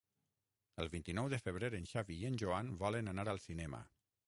El vint-i-nou de febrer en Xavi i en Joan volen anar al cinema.